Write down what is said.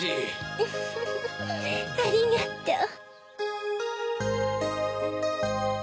ウフフありがとう。